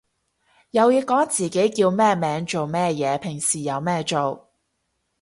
又要講自己叫咩名做咩嘢平時有咩做